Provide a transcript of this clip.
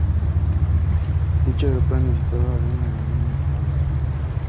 Dicha Europa necesitaba de una Alemania sana.